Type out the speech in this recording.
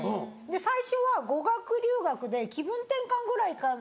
最初は語学留学で気分転換ぐらいかなと。